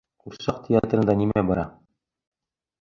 Ҡурсаҡ театрында нимә бара?